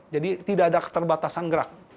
jadi tidak ada keterbatasan gerak